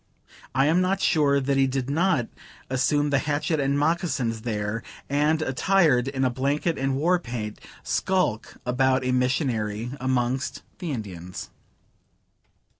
I am not sure that he did not assume the hatchet and moccasins there; and, attired in a blanket and war paint, skulk about a missionary amongst the Indians.